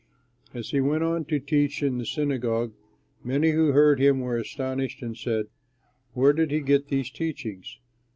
As he went on to teach in the synagogue, many who heard him were astonished and said: "Where did he get these teachings?